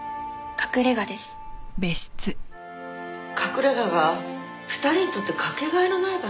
隠れ家が２人にとってかけがえのない場所だったようね。